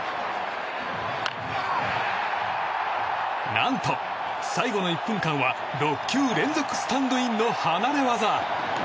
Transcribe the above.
何と最後の１分間は６球連続スタンドインの離れ業。